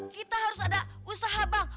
kita harus ada usaha bank